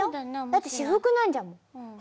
だって私服なんじゃもん。